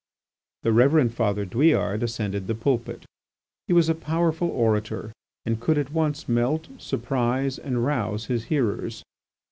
The Reverend Father Douillard ascended the pulpit. He was a powerful orator and could, at once melt, surprise, and rouse his hearers.